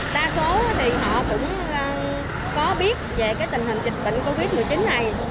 đa số thì họ cũng có biết về cái tình hình dịch bệnh covid một mươi chín này